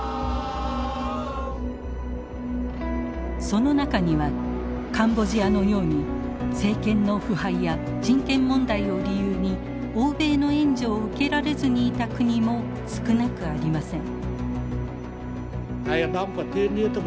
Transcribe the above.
その中にはカンボジアのように政権の腐敗や人権問題を理由に欧米の援助を受けられずにいた国も少なくありません。